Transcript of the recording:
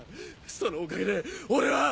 そのおかげで俺は！